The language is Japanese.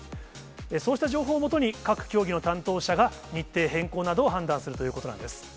そうした情報を基に、各競技の担当者が日程変更などを判断するということなんです。